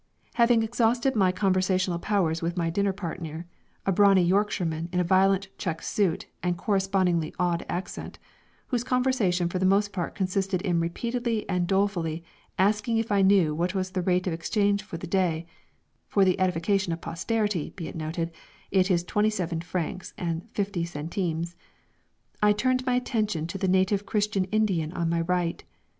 Having exhausted my conversational powers with my dinner partner a brawny Yorkshireman in a violent check suit and correspondingly odd accent, whose conversation for the most part consisted in repeatedly and dolefully asking if I knew what was the rate of exchange for the day (for the edification of posterity, be it noted, it is 27 francs 50 centimes) I turned my attention to the native Christian Indian on my right.